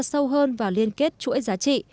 sâu hơn và liên kết chuỗi giá trị